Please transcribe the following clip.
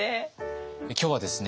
今日はですね